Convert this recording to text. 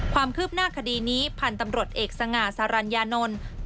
ความคืบหน้าคดีนี้พันธุ์ตำรวจเอกสง่าสารัญญานนท์